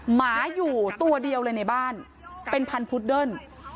หมาอยู่ตัวเดียวเลยในบ้านเป็นพันธุดเดิ้ล